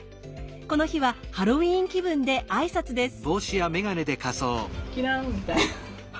この日はハロウィーン気分で挨拶です。